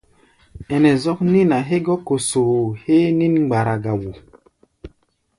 Ɛnɛ zɔ́k nín-a hégɔ́ kosoo héé nín-mgbara ga wo.